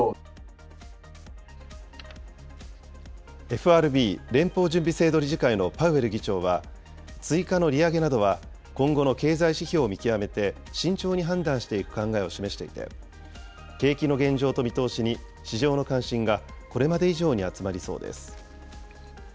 ＦＲＢ・連邦準備制度理事会のパウエル議長は、追加の利上げなどは今後の経済指標を見極めて、慎重に判断していく考えを示していて、景気の現状と見通しに、市場の関心がこれまで以上に集まりそうです。